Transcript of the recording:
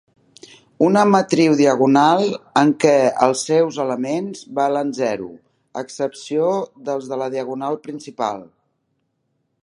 Una "matriu diagonal" en què els seus elements valen zero, a excepció dels de la diagonal principal.